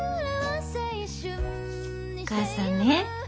お母さんね